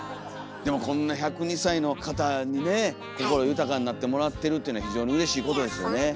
でもこんな１０２歳の方にね心豊かになってもらってるっていうのは非常にうれしいことですよね。